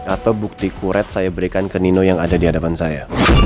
atau bukti kuret saya berikan ke nino yang ada di hadapan saya